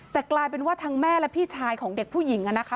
แต่กลายเป็นว่าทั้งแม่และพี่ชายของเด็กผู้หญิงนะคะ